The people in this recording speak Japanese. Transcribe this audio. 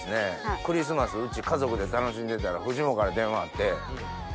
クリスマスうち家族で楽しんでたらフジモンから電話あって。